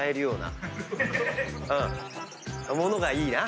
物がいいな。